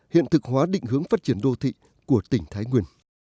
hiện thực hóa định hướng phát triển đô thị của tỉnh thái nguyên